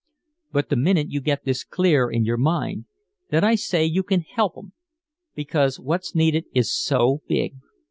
"But the minute you get this clear in your mind, then I say you can help 'em. Because what's needed is so big.